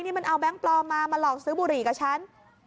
นี่มันเอาแก๊งปลอมมามาหลอกซื้อบุหรี่กับฉัน